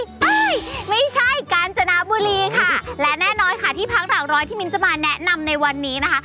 ไม่ใช่กาญจนบุรีค่ะและแน่นอนค่ะที่พักหลักร้อยที่มิ้นจะมาแนะนำในวันนี้นะคะ